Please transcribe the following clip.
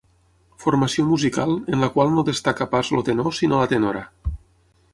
Formació musical en la qual no destaca pas el tenor sinó la tenora.